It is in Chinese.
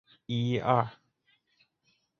厕所位于闸口外。